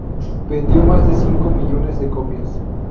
Vendió más de cinco millones de copias.